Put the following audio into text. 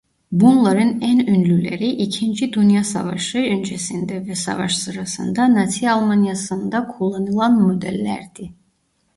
Bunların en ünlüleri ikinci Dünya Savaşı öncesinde ve savaş sırasında Nazi Almanyası'nda kullanılan modellerdi.